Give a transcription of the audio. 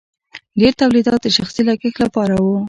ډیر تولیدات د شخصي لګښت لپاره وو.